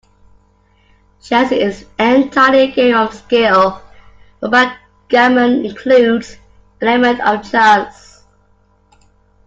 Chess is entirely a game of skill, but backgammon includes an element of chance